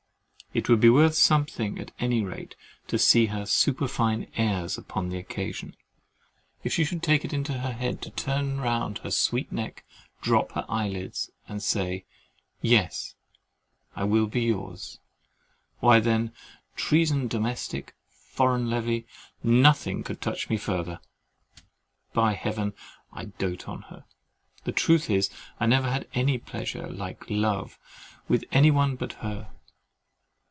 It would be worth something at any rate to see her superfine airs upon the occasion; and if she should take it into her head to turn round her sweet neck, drop her eye lids, and say—"Yes, I will be yours!"—why then, "treason domestic, foreign levy, nothing could touch me further." By Heaven! I doat on her. The truth is, I never had any pleasure, like love, with any one but her.